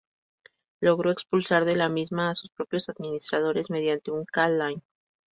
Logró expulsar de la misma a sus propios administradores, mediante un K-Line.